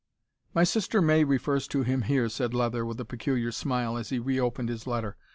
"My sister May refers to him here," said Leather, with a peculiar smile, as he re opened his letter.